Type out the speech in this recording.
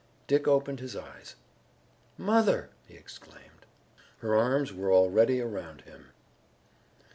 Dick opened his eyes. "Mother!" he exclaimed. Her arms were already around him.